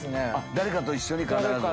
誰かと一緒に必ず。